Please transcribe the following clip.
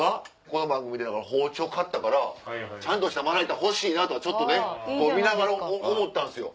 この番組で包丁買ったからちゃんとしたまな板欲しいなとちょっとね見ながら思ったんですよ。